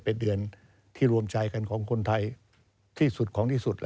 เป็นเดือนที่รวมใจกันของคนไทยที่สุดของที่สุด